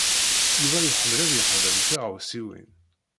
Yuba iḥemmel ad yexdem tiɣawsiwin.